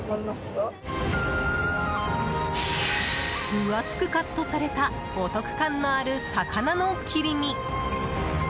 分厚くカットされたお得感のある魚の切り身。